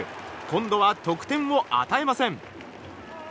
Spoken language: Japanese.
今度は得点を与えません。